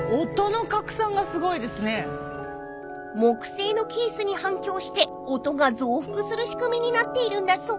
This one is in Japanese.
［木製のケースに反響して音が増幅する仕組みになっているんだそう］